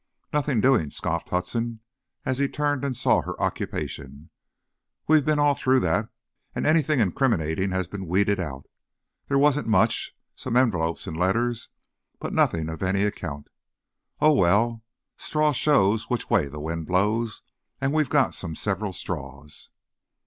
"Nothing doing!" scoffed Hudson, as he turned and saw her occupation, "we been all through that, and anything incriminating has been weeded out. They wasn't much, some envelopes and letters, but nothing of any account. Oh, well, straws show which way the wind blows, and we've got some several straws!"